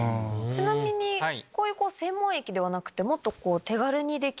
ちなみにこういう専門液ではなくて。